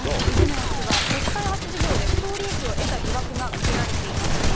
イ・ジェミョン氏は、都市開発事業で不当利益を得た疑惑がかけられています。